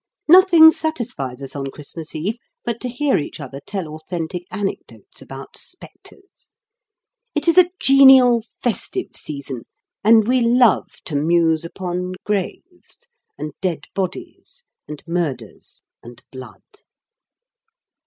Nothing satisfies us on Christmas Eve but to hear each other tell authentic anecdotes about spectres. It is a genial, festive season, and we love to muse upon graves, and dead bodies, and murders, and blood.